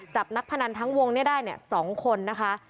จับนักพนันทั้งวงนี้ได้๒คนนะคะ